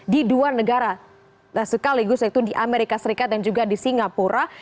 di dua negara sekaligus yaitu di amerika serikat dan juga di singapura